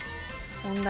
問題